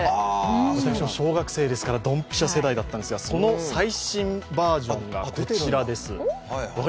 私も小学生ですからドンピシャ世代なんですがその最新バージョンがこちらです。